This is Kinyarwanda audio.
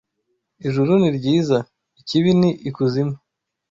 Ijuru ni ryiza. Ikibi ni ikuzimu